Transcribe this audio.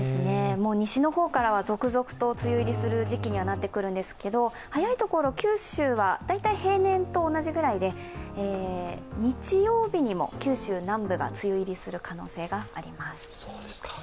西の方からは続々と梅雨入りする時期にはなってくるんですが早いところ、九州は大体平年と同じくらいで日曜日にも九州南部が梅雨入りする可能性があります。